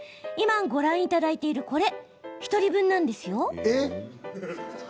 今、ご覧いただいているこれ１人分なんですよ。